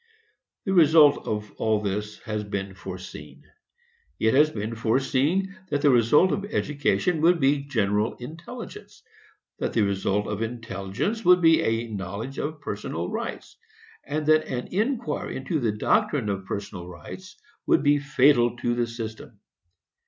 The result of all this has been foreseen. It has been foreseen that the result of education would be general intelligence; that the result of intelligence would be a knowledge of personal rights; and that an inquiry into the doctrine of personal rights would be fatal to the system.